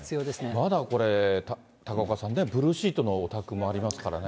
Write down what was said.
まだこれ、高岡さんね、ブルーシートのお宅もありますからね。